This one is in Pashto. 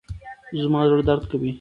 زما زړه درد کوي.